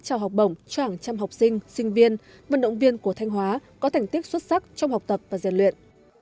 tỉnh thanh hóa đã trao học bổng cho hàng trăm học sinh sinh viên vận động viên của thanh hóa có thành tích xuất sắc trong học tập và diện luyện